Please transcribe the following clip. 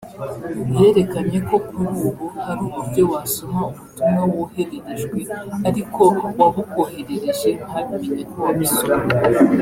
yerekanye ko kuri ubu hari uburyo wasoma ubutumwa wohererejwe ariko uwabukoherereje ntabimenye ko wabusomye